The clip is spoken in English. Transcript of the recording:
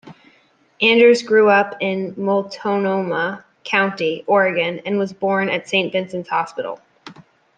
Anders grew up in Multnomah County, Oregon and was born at Saint Vincent's Hospital.